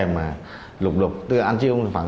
mà lục lục từ ăn chia không sống phẳng